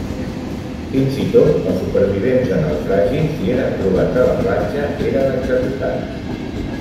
Fins i tot els supervivents de naufragis, si eren trobats a la platja, eren executats.